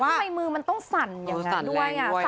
ทำไมมือมันต้องสั่นอย่างนั้นด้วย